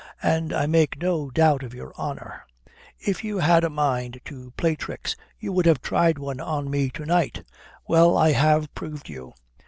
And I make no doubt of your honour. If you had a mind to play tricks you would have tried one on me to night. Well, I have proved you.